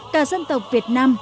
cả dân tộc việt nam